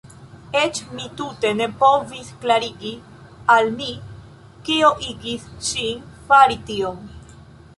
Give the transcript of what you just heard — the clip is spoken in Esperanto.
Eĉ mi tute ne povis klarigi al mi kio igis ŝin fari tion.